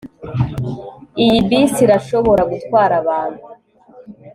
Iyi bisi irashobora gutwara abantu